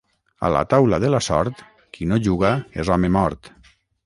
A la taula de la sort, qui no juga és home mort.